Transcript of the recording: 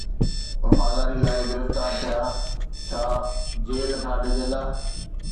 وفاداريءَ لاءِ گرفتار ٿيا، ڇا جيل کان ڊڄندا؟